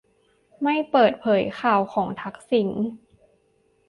ไม่เปิดเผยข่าวของทักษิณ